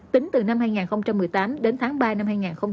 tính từ năm hai nghìn một mươi tám đến tháng ba năm hai nghìn hai mươi